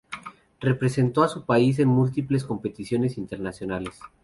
Representó a su país en múltiples competiciones internacionales.